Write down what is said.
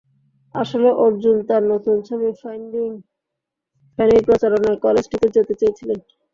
আসলে অর্জুন তাঁর নতুন ছবি ফাইন্ডিং ফ্যানির প্রচারণায় কলেজটিতে যেতে চেয়েছিলেন।